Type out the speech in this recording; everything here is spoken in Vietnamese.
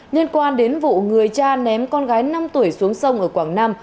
liên quan đến vụ người cha ném con gái năm tuổi xuống sông ở quảng nam